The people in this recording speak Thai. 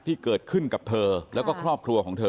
ที่เกิดขึ้นกับเธอแล้วก็ครอบครัวของเธอ